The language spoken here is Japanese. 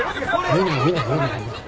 見ない見ない見ない。